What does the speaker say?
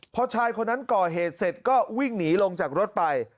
พอชายคนนั้นก่อเหตุเสร็จก็วิ่งหนีลงจากรถไป